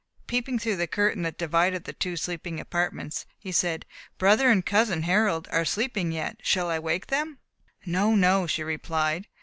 Peeping through the curtain that divided the two sleeping apartments, he said, "Brother and cousin Harold are sleeping yet, shall I wake them?" "No, no," she replied.